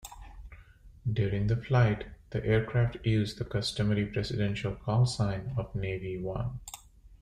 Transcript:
During the flight, the aircraft used the customary presidential callsign of "Navy One".